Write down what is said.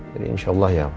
jadi insya allah ya